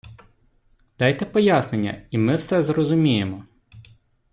Дайте пояснення і ми все зрозуміємо!